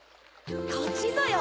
こっちぞよ。